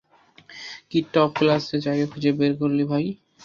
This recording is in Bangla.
কী টপ ক্লাস জায়গা খুঁজে বের করলি ভাই।